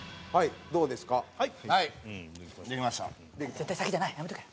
絶対先じゃないやめとけ。